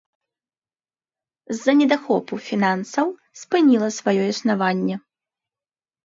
З-за недахопу фінансаў спыніла сваё існаванне.